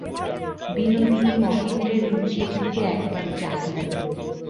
বিনোদিনী মহেন্দ্রের মুখের দিকে একবার চাহিল।